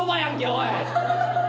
おい！